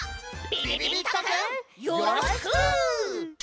びびびっとくんよろしく！